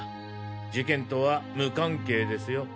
事件とは無関係ですよ。